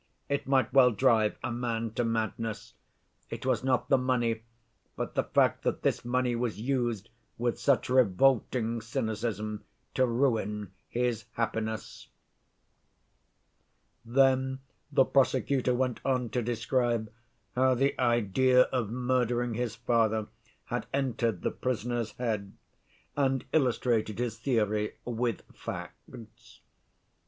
It might well drive a man to madness. It was not the money, but the fact that this money was used with such revolting cynicism to ruin his happiness!" Then the prosecutor went on to describe how the idea of murdering his father had entered the prisoner's head, and illustrated his theory with facts.